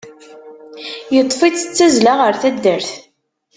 Yeṭṭef-itt s tazzla deg tedxent.